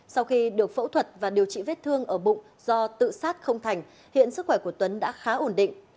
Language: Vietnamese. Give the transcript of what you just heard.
sau khi được phẫu thuật và điều trị vết thương ở bụng do tự sát không thành hiện sức khỏe của tuấn đã khá ổn định